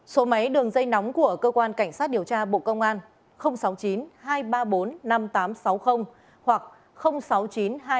số máy đường dây nóng của cơ quan cảnh sát điều tra bộ công an sáu mươi chín hai trăm ba mươi bốn năm nghìn tám trăm sáu mươi hoặc sáu mươi chín hai trăm ba mươi hai một nghìn sáu trăm